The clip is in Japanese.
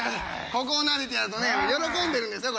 ここをなでてやるとね喜んでるんですよこれ。